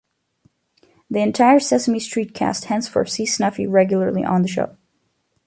The entire "Sesame Street" cast henceforth sees Snuffy regularly on the show.